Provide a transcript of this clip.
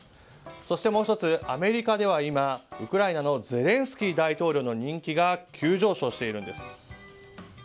そして、もう１つアメリカでは今、ウクライナのゼレンスキー大統領の人気が急上昇しているんです。